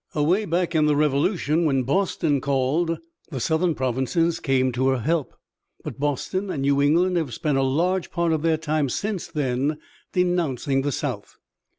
Away back in the Revolution when Boston called, the Southern provinces came to her help, but Boston and New England have spent a large part of their time since then denouncing the South."